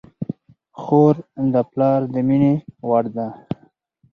خور د پلار د مینې وړ ده.